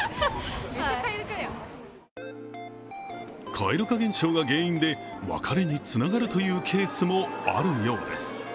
蛙化現象が原因で別れにつながるというケースもあるようです。